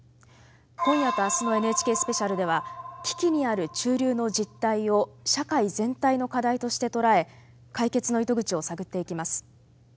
今夜と明日の「ＮＨＫスペシャル」では危機にある中流の実態を社会全体の課題として捉え解決の糸口を探っていきます。